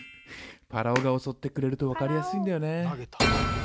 ぱらおが襲ってくれると分かりやすいんだよね。